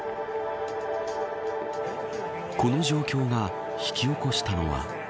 この状況が引き起こしたのは。